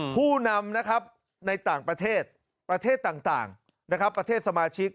ผู้นำนะครับในต่างประเทศประเทศต่างนะครับประเทศสมาชิก